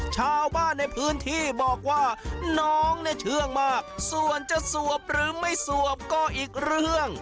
ชาวบ้านในพื้นที่บอกว่าน้องเนี่ยเชื่องมากส่วนจะสวบหรือไม่สวบก็อีกเรื่อง